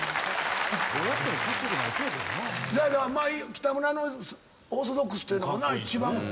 北村のオーソドックスというのもな一番。